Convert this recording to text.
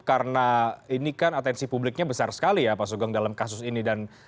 karena ini kan atensi publiknya besar sekali ya pak sugeng dalam kasus ini